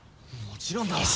もちろんだわ。